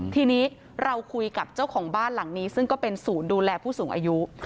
ทีนี้เราคุยกับเจ้าของบ้านหลังนี้ซึ่งก็เป็นศูนย์ดูแลผู้สูงอายุ